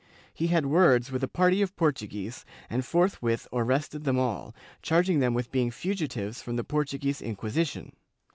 He had words with a party of Portuguese and forthwith arrested them all, charging them with being fugitives from the Portuguese Inquisition.